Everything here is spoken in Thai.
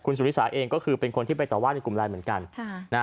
สุริสาเองก็คือเป็นคนที่ไปต่อว่าในกลุ่มไลน์เหมือนกัน